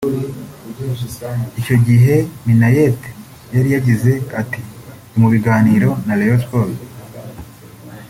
Icyo gihe Minaert yari yagize ati “Ndi mu biganiro na Rayon Sports